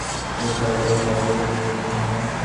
তিনি কটক মিউনিসিপ্যালিটির প্রথম বেসরকারি সভাপতি নির্বাচিত হন।